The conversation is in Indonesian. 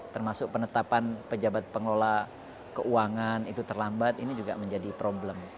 termasuk penetapan pejabat pengelola keuangan itu terlambat ini juga menjadi problem